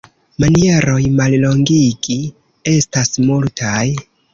Manieroj mallongigi estas multaj.